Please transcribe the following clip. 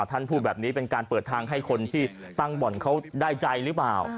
ท่านพูดแบบนี้เป็นการเปิดทางให้คนที่ตั้งบ่อนเขาได้ใจหรือเปล่า